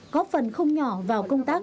có phần không nhỏ vào công tác